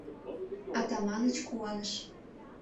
Атаманыч куаныш.